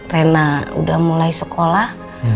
rena udah mulai sekolah